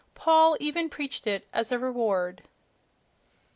Paul even preached it as a reward....